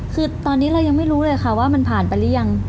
คือตอนนี้เรายังไม่รู้เลยค่ะว่ามันผ่านไปหรือยัง